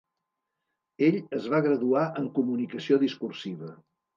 Ell es va graduar en comunicació discursiva.